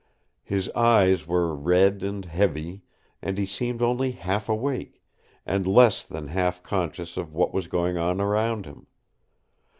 His eyes were red and heavy, and he seemed only half awake, and less than half conscious of what was going on around him.